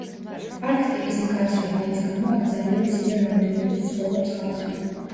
არქტიკის მკაცრი ჰავის გამო აქ ძალიან მცირე რაოდენობით ცხოვრობს ხალხი.